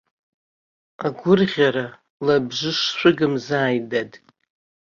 Агәырӷьа лабжыш шәыгымзааит, дад.